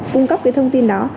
cung cấp thông tin đó